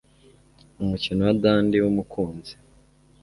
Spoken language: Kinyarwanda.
Umukino wa dandy wumukunzi